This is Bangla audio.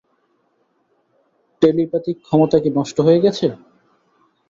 টেলিপ্যাথিক ক্ষমতা কি নষ্ট হয়ে গেছে?